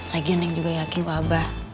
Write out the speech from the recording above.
lagi neng juga yakin ke abah